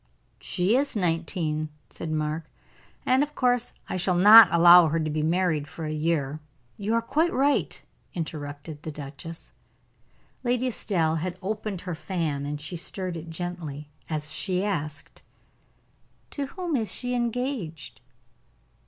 "She is nineteen," said Mark; "and, of course, I shall not allow her to be married for a year." "You are quite right," interrupted the duchess. Lady Estelle had opened her fan, and she stirred it gently, as she asked: "To whom is she engaged?"